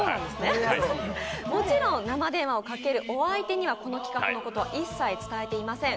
もちろん生電話をかけるお相手にはこの企画のことは一切伝えていません。